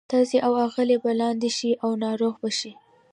تاسي او آغلې به لانده شئ او ناروغه به شئ.